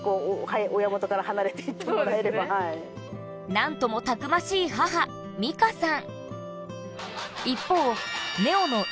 何ともたくましい母みかさん